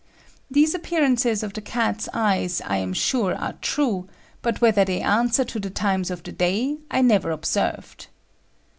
These appearances of the Cats' Eyes I am sure are true, but whether they answer to the times of the day, I never observed."